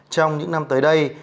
trong những năm tới đây